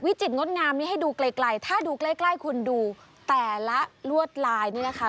จิตรงดงามนี้ให้ดูไกลถ้าดูใกล้ใกล้คุณดูแต่ละลวดลายนี่นะคะ